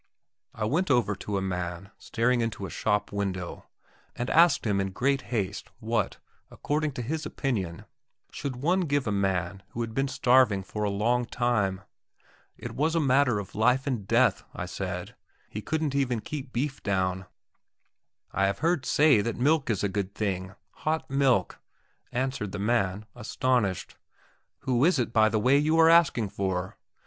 I went over to a man staring into a shop window, and asked him in great haste what, according to his opinion, should one give a man who had been starving for a long time. It was a matter of life and death, I said; he couldn't even keep beef down. "I have heard say that milk is a good thing hot milk," answered the man, astonished. "Who is it, by the way, you are asking for?"